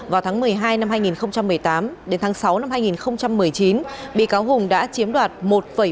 vào tháng một mươi hai năm hai nghìn một mươi tám đến tháng sáu năm hai nghìn một mươi chín bị cáo hùng đã chiếm đoạt một bảy